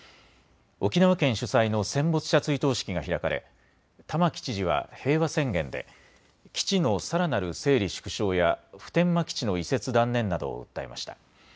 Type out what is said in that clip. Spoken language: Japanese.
沖縄県主催の戦没者追悼式が開かれ玉城知事は平和宣言で基地のさらなる整理・縮小や普天間基地の移設断念などを訴えました。